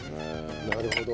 なるほど。